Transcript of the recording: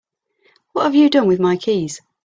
What have you done with my keys?